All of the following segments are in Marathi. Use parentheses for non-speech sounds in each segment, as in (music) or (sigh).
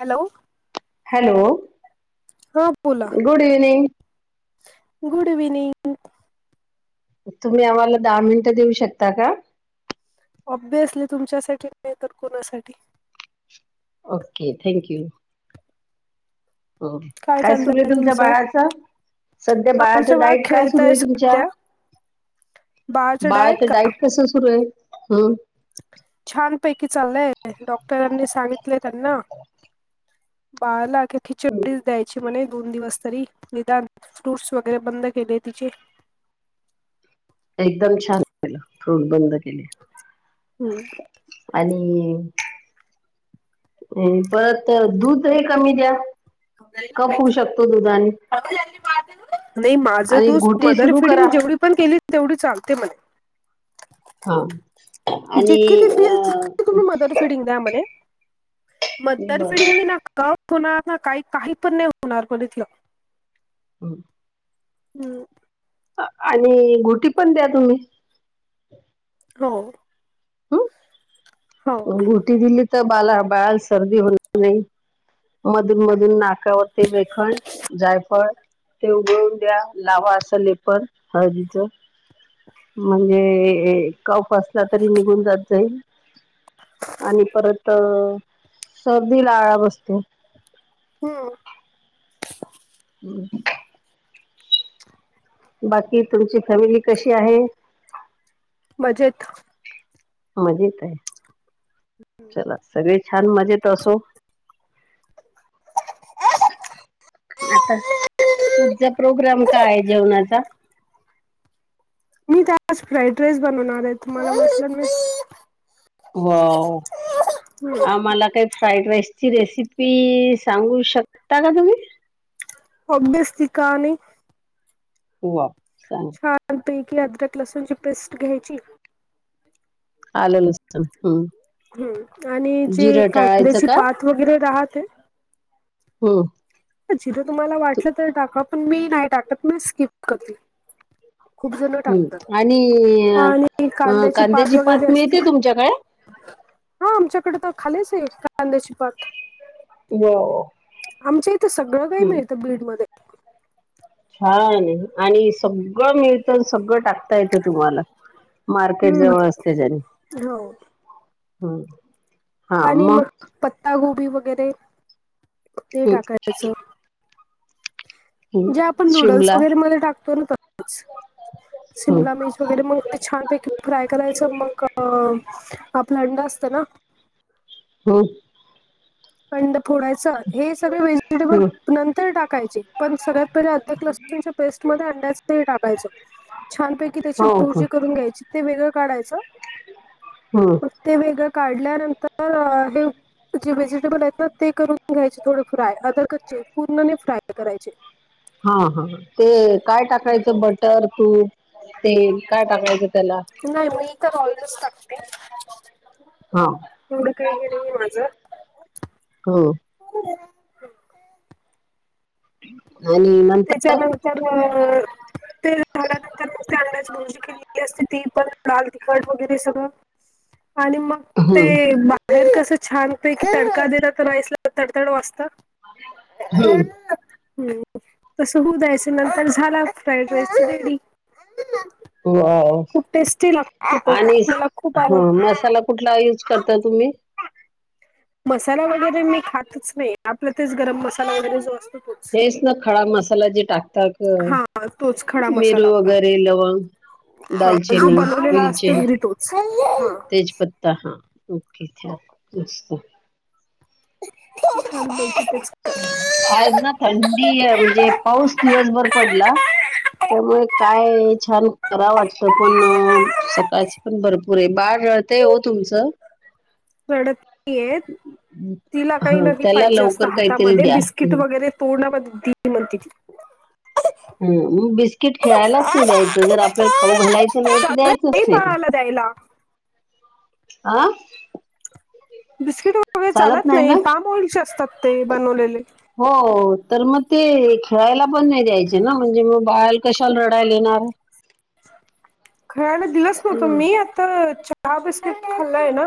हॅलो हॅलो, हा बोला गुड इवनिंग. गुड इव्हनिंग तुम्हीं आम्हांला दहा मिनिटं देऊं शकतां कां ऑब्विियसली तुमच्यांसाठी नाहीं तरं कुंपणासाठी ओके थँक्यू हो काय कायं सुरूं आहे चाललंय तुमच्यां तुमचं बाळाचं संध्या आमच्या बाळाचं बाळ डाईट कायं सुरूं खेळतय आहे तुमच्या सध्या बाळाच डाएट बाळाचं का डाईट कसं सुरूं आहे हम्मं छानपैकी चाललंय डॉक्टरांनी सांगितलंय त्यांना बाळाचं लाके खिचडी द्यायची म्हणे दोन दिवसं तरी निदांन फ्रूट्स वगैरें बंद केले तिचे एकदंम छान केलं फ्रूट बंद केले हम्मं आणि ई परंत दूधं दही कमी द्या कफ होऊ शकतो दुधाने माझं आणि दूंध घुटी मदर सुरू करा फिडिंग जेवढं पणं केली तेवढी चालते मणे हां जितकीे ते फील्ड जिते तुम्हीं मदर फिडिंग द्या म्हंणे मदर बर फिडिंग लंग कंप होणारं नां कांहीं कांहीं पणं नाहीं होणारं म्हणतं हं हम्मं आणि घुटी पणं द्यां तुम्हीं होव होव गुटी दिली तरं बांला बाळां सर्दी होणारं नाहीं मधूंन मधूंन नाकांवरती वेखण जायफळ ते उघळूंन द्यां लांवा असं लेपर हळदीचं म्हणजे कंफ असलां तरी निघूंन जातं जाईल (unintelligible) (unintelligible) आणि परंत सर्दी लां आंळा बसतो हम्मं हम्मं बाकी तुमची फॅमिली कशी आहे मजेतं मजेतं आहे चलां सगळे छान मजेतं असो आंता पुढंचा प्रोग्राम कायं आहे जेवणांचा मी तेजं फ्राईड राईस बनवणांर आहे तुम्हांला बटन वांव हम्म आम्हांला कांहीं फ्राईड राईस ची रेसिपी सांगू शकतां कां तुम्हीं ऑफबेसली कां नाहीं होवां सांग लपैकी अदरक लसूणं ची पेस्ट घ्यायची आलेलसण हम्मं हम्मं आणि जी टाळायचं कांद्याची का पांत वगैरें राहते हम्म. जिथं तुम्हाला तू- वाटलं तर टाका पण मी नाही टाकत मी स्किप करते. खूप जण टाकतात हम्म आणि आणि अ, कांद्याची पात वगैरे असती. मिळते तुमच्याकडे हा आमच्याकडे तर खालीच आहे कांद्याची पात. (unintelligible) आमच्या इथं सगळं काही हम्म, मिळतं बीड म छान आणि सगळं मिळत सगळं टाकता येतं तुम्हाला. मार्केट हम्म जवळ असल्या जनी हो. हम्म. आणि मग पत्ता गोबी वगैरे ते हम्म, टाकायचं. हम्म, जे आपण नूडल्स शिमला वगैरेमध्ये टाकतो ना तसच. हम्म, शिमला मिर्च वगैरे मग ते छानपैकी फ्राय करायचं मग आपला अंड असतं ना हम्म. अंड फोडायचं हे सगळ व्हेजिटेबल हम्म, नंतर टाकायचे. पण सगळ्यात पहिले अधिक लसूणच्या पेस्टमध्ये अंड्याच (inaudible) टाकायचं. छानपैकी त्याची हो का भुर्जी करून घ्यायची ते वेगळं काढायचं हम्म. मग ते वेगळ काढल्यानंतर (inaudible) ते बनेतना ते करून बघायचे थोड फ्राय अदर कच्चे पूर्ण नई फ्राय करायचे. हा हा ते काय टाकायचं बटर तूप तेल काय टाकायचं त्याला? नाही मग इतर (unintelligible) टाकते. हा एवढं काही हे नाही ये माझ. हम्म आणि नंत त्याच्यानंतर ते झाड नंतर ते मग अंड्याची भुर्जी केलेली असते ती पण डाल तिखट वगैरे सगळं आणि मग ते हम्म बाहेर कसं छानपैकी तडका दिला तर राईसला तडतड वाजत. हम्म. (unintelligible) हम्म. तस होऊ दयायच नंतर झाला फ्राईड राईस तर रेडी. वाव खूप टेस्टी लागतो तो आणि मला खूप ह आवडतो. मसाला कुठला युज करता तुम्ही? मसाला वगैरे मी खातच नाही आपलं तेच गरम मसाला वगैरे जो असतो तोच. तेच ना खडा मसाला जे टाकतात हा तोच खडा मिरू मसाला आपला वगैरे लवंग ह जो दालचिनी, बनवलेला असतो वेलची, घरी तो. (unintelligible) तेजपत्ता हा ओके हा मस्त. (unintelligible) आज ना थंडी आहे म्हणजे पाऊस दिवसभर पडला त्यामुळे काय छान कराव वाटत पण सकाळची पण भरपूर आहे बार रळतय हो तुमचं. रडत येत तिला काही ह नही त्याला पाहिजे असत लवकर काहीतरी हातामध्ये द्या. बिस्किट हं वगैरे तोडण्यामध्ये दिली म्हणती ती. हम्म मग बिस्किट खेळायलाच नाही द्यायचं जर आपल्याला खाऊ घालायचं नाही तर द्यायचंच नाही. मला द्यायला. आं. बिस्किट वगैरे चालत नाही. पाम ऑइलचे असतात ते. बनवलेले. हो. तर मग ते खेळायला पण नाही द्यायचे ना. म्हणजे मग बाळाला कशाला? रडायला येणार. खेळायला दिलच नव्हतं हम्म मी. हा बिस्किट खाल्लाय ना.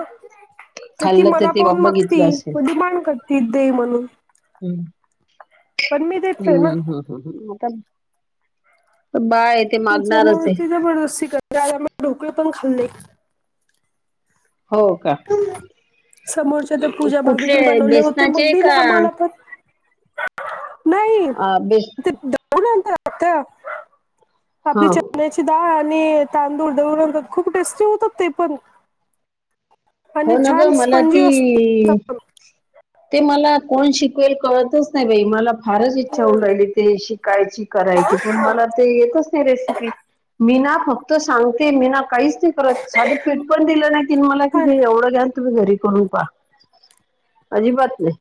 तर ती खाल्लं मला ते बा- पाहून मागती. बघितलं असेल म डिमांड करती. दे म्हणून. हम्म. पण मी देत नाही ना. हम्म, हम्. (unintelligible) आता. बाळयत. तुमच्यामुळे ती जबरदस्ती करते. आज आम्ही ढोकळे पण खाल्ले. हो, का? समोरच्या त्या, पूजा कुठले भाभीनी बनवले होते. मग बेसनाचे दिले का आम्हाला पण. (inaudible) नाही. अ बेस ते द (inaudible) हा आपली चण्याची. दाळ आणि, तांदूळ दळून आणतात. खूप टेस्टी होतात ते पण. आणि हो, न ग. छान मला स्पंजी असतो ती ते मला कोण शिकवेल? कळतच नाही बाई. मला फारच इच्छा राहिली. ते शिकायची, करायची. पण मला ते येतच नाही रेसिपी. मी ना, फक्त सांगते. मी ना काहीच नाही करत. साधं पीठ पण दिलं नाही तीन मला. की हे एवढं घ्या. न तुम्ही घरी करून पाहा. अजिबात नाही.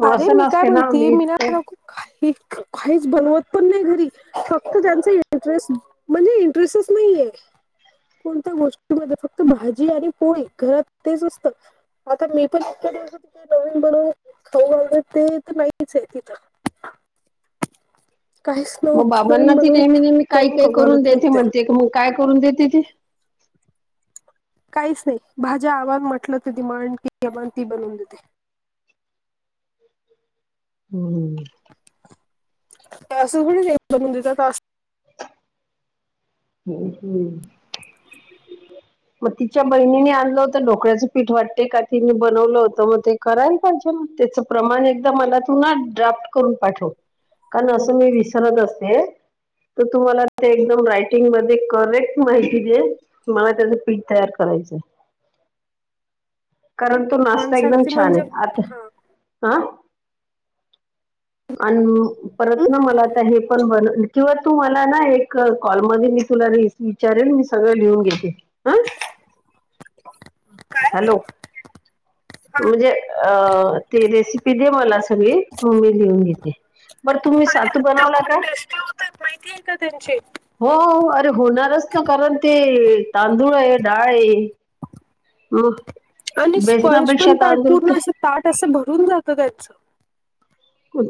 मग अरे, असं मी काय नसते म्हणतीय? मी ना इतकं नको काही - काहीच बनवत पण नाही घरी. फक्त त्यांचा इंटरेस्ट म्हणजे इंटरेसच नाहीेये. कोणत्या गोष्टीमध्ये. फक्त भाजी आणि पोळी. घरात तेच असत. आता मी पण, इतके दिवस होते तिथे. नवीन बनवून खाऊ घाल, ते तर नाहीचय तिथं. काहीच नव मग बाबांना, नवीन ती बनवून नेहमी- नेहमी. काही - काही खाऊ करून घालत देते नव्हते म्हणते. मग काय करून देते ती. काहीच नाही. भाज्या आवाग म्हटलं त दिमाड कीमन ती बनवून देते. हम्म. असं होईल एक - दोन दिवसात असत. हम, हम्म. (inaudible) मग तिच्या बहिणीनी आणलं होतं, ढोकळ्याचं पीठ वाटते का? तिने बनवलं होतं मग ते. करायला पाहिजे ना. त्याचं प्रमाण एकदा मला तु ना, ड्राफ्ट करून पाठव. कारण, असं मी विसरत असते. तर तुम्हाला ते एकदम राईट टिंगमध्ये करेक्ट माहिती दे. मला त्याचं पीठ तयार करायचंय. कारण तो मान नाश्ता एकदम सांगते छानय. म्हणजे आता हा. आं. आन परत ना, मला आता हे पण किंवा तू मला ना, एक कॉलमध्ये मी तुला रेसि विचारेल. मी सगळं लिहून घेते. अं. (inaudible) हॅलो. म्हणजे, अ ते रेसिपी दे मला सगळी. म मी लिहून घेते. बरं, तुम्ही अरे सातू आता बनवला खूप का? टेस्टी होतात माहितीये का त्यांचे हो अरे होणारं चं नां कारणं ते तांदूळ आहे डाळं मं आणि स्पंज पणं तांट पूर्ण असं तांट असं भरूंन जातं त्याचं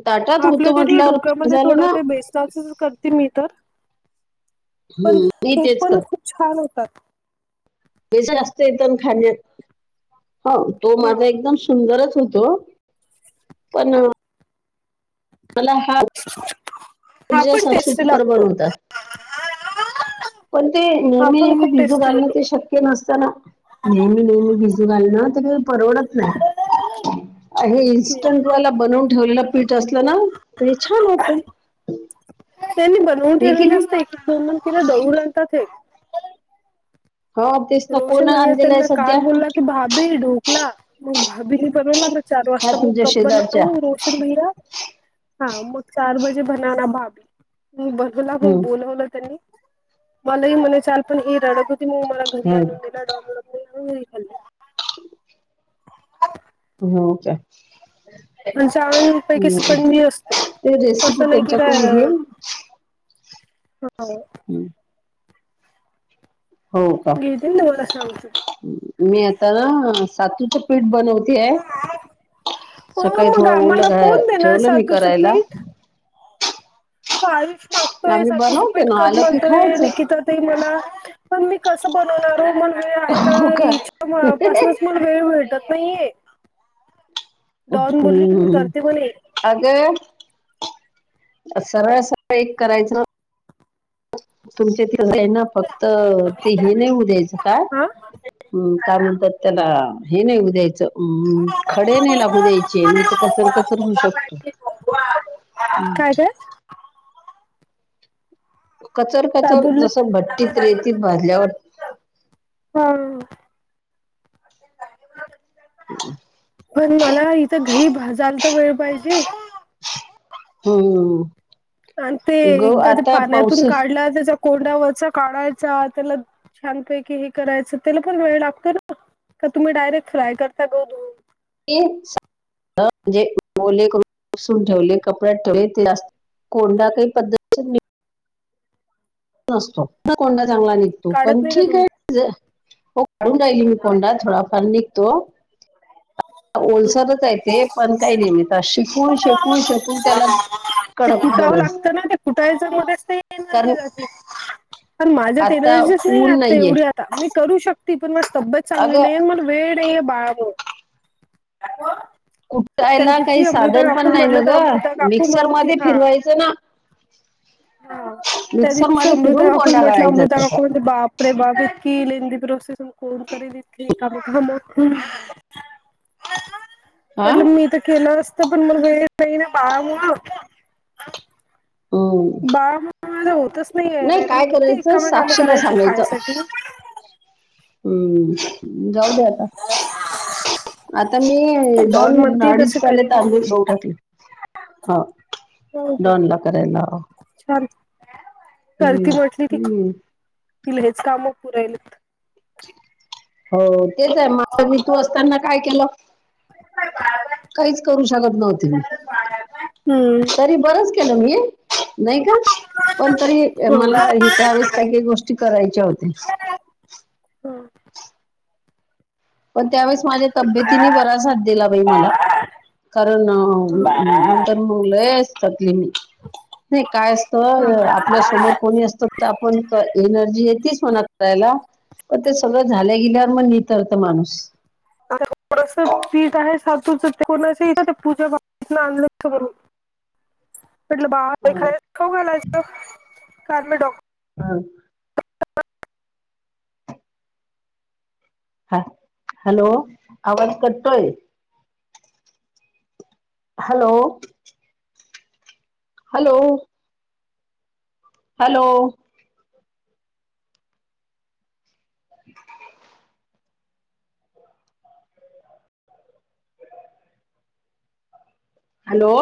तांट आपल्या घरी घोटाळ्यांमध्ये थोडासा बेसनाचा चं करते मी तरं पणं हम्म मी हे तेच पणं करते खूंप छान होतांत बेसन जास्तं येतो खाण्यांत हो तो हा माझ्या एकदंम सुंदरच होतो पणं अं मलां हां हां पणं टेस्टी लागतो पणं ते हा नेहमी पण नेहमी खूप भिजूं टेस्टी घालणं होतो ते शक्यं ते नसतं नं नेहमी नेहमी भिजूं घालणं नां ते कांहीं परवडतं नाहीं हे इन्स्टंटवाला बनवूंन ठेवलेलं पीठ असलं नां तरं हे छान होतं त्यांनी बनवूंन हे की ठेवलं नाही असतं एक एक दोन दोन आणतांत हे हो तेचं नं कोणं आणलेलं आहे संध्या ती भाभी ढोकला मंग भारी बनवलां नां चार वाजंता मंग तुमच्या कब शेजारच्या बनवूं रोशन भैया हां मंग चार बजे बनांना भाभी मंग हम्म बोलवलं त्यांनी मलांही म्हणे चालं पणं ही रडतं होती मंग मलां घरी आंणून हम्म डॉनला पणं मी घरी खाल्लां हो कां आणि छान पैकी स्पंजी असते ते रेसिपी तसं नाहीं कि त्यांच्याकडून घे कायं हो हं हो का घेतील नां मलां सांगजो मी आंता नां सातूचं पीठ बनवतेय आहे हो सकाळीं मग थोडं ओल आम्हाला कोण देणार ठेवलं मी सातूचं करायंला पीठ आयुष मागतोय आम्ही सातूंच बनवते पीठ ना करं आलं की म्हणतोय खायचं. निकिता ते मलां पणं मी कसं बनवणांर हो मलां वेळं आहे हो कां का? हिच्यां पासूनच वेळं भेटतं नाहीं आहे डॉन बोली की मी हम्म. करते म्हणे अगं सरळं सरळं सकाळी करायचं तुमच्यां ते आहे नां फक्तं ते हे नाहीं होऊं द्यायचं कायं हा हम्मं कायं म्हणतांत त्यांला हे नाहीं होऊं द्यायचं खडे नाहीं लागूं द्यायचे नाहीं तरं कचरा कचरा होऊ शकतो काय काय कचर काय कचर बोलल जसं भट्टीत रेतीत भाजल्यांवर हां पणं मलां इथं घरी भाजांयला तरं वेळं पाहिजे हम्मं हम्मं आणि ते एकदाचं जे पाण्यांतून पाऊस काढल्यांवर त्यांचा कोंड्यावरचा काढांयचा त्यांला छानपैकी हे करायचं त्यांला पणं वेळं लागतो नां कां तुम्हीं डायरेक्ट फ्राय करतां गहूं धुवूंन इन्स म्हणजे ओले करूंन पुंसून ठेवले कपड्यांत ठेवले ते जास्तं कोंडा कांहीं पद्धतं नसतो तरं कोंडा चांगला निघतो काढत पणं नाही का ठीक तुम्ही आहे काढूं राहिली मी कोंडा थोडांफार निघतो ओलसरचं आहे ते पणं कायं नाहीं हो त्या शिकून शेकून शेकून त्याला कडक बनवायची. तर (unintelligible) एनर्जी जाती. पण माझ्यात आता एनर्जीच नाहीए ऊन आता नाहीये तेवढी. मी करू शकती पण, माझी तब्येत चांगली अगं नाहीये, मग वेळ नाहीये बाळामुळ. कुठायला काही साधन पण नाही ना म्हटलं तर ग? अमृता काकू मिक्सर म्हणती मध्ये हा फिरवाय च ना? हा त्या मिक्सर दिवशी मध्ये अमृता फिरून काकूना कोंडा म्हटलं, काढायचा अमृता काकू ऑन द बाप. अरे बापरे! बा इतकी लेंधी प्रोसेस कोण करील इतकी? का म्हटलं हा मी तर केलं अस त पणं मुरगळ ते या बाळामुळ. अ व. बाळा मूळ मला होतच नाही ए, नाही तर मी किती करायचं रिकामे काम साक्षीला करायचे खायासाठी? हुं. जाऊ द्यात. हो हो (unintelligible) आता मी दोन तसं अडीच प्याले करील म्हणे तांबे गहू टाकले. हा दोनदा करायला लाव. खूप छान करती म्हटली ती, हम्म. तिला हेच काम पुरायलेत. हो तेच आहे. मग मी तू असताना काय केलं? का बा (unintelligible) काहीच करू शकत नव्हती मी. हम्म तरी बरंच केलं मी नाही का? पण तरी हो. मला ही त्यावेेळेस काही काही गोष्टी करायच्या होत्या. पण त्यावेळेस माझ्या तब्येतीने बराच हात दिला बाई मला कारण अ अ. तर मग लय य सक्ती, ते काय असतं आपलच समोर कोणी असतो, तर आपण एनर्जी येतेच म्हणा करायला. पण ते सगळं झाल गेल्यावर, मग नितरत माणूस. आतासं पीठ आहे सातूच, ते कोणाच्या इथं ते पूजा बात आणलं त म्हणुन. म्हणलं बाप रे हं, बाप खाऊ घालायचं, काल मी डॉक्टर सांग. हा हॅलो, आवाज कटतोय? हॅलो. हॅलो. हॅलो. ह. (inaudible) हॅलो.